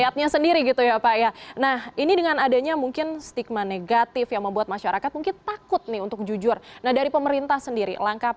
terima kasih pak dir